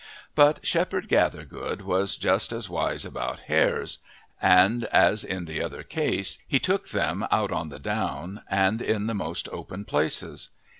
But Shepherd Gathergood was just as wise about hares, and, as in the other case, he took them out on the down in the most open places.